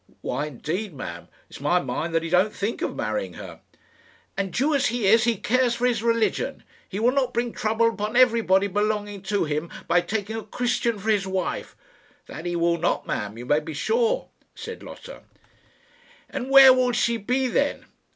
"Why indeed, ma'am! It's my mind that he don't think of marrying her." "And, Jew as he is, he cares for his religion. He will not bring trouble upon everybody belonging to him by taking a Christian for his wife." "That he will not, ma'am, you may be sure," said Lotta. "And where will she be then?